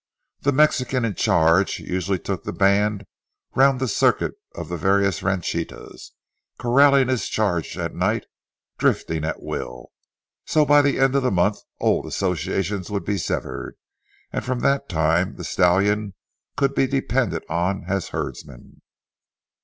The Mexican in charge usually took the band round the circuit of the various ranchitas, corralling his charge at night, drifting at will, so that by the end of the month old associations would be severed, and from that time the stallion could be depended on as herdsman.